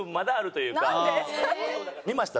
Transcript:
見ました？